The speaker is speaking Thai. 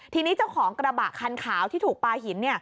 ทีนี้เจ้าของกระบะคันขาวที่ถูกปลาหิน